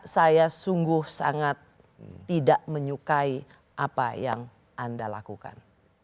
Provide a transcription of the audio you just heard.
saya sungguh sangat tidak menyukai apa yang anda lakukan